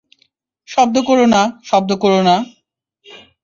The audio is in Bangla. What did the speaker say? শব্দ কোরো না, শব্দ কোরো না।